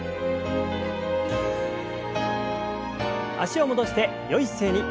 脚を戻してよい姿勢に。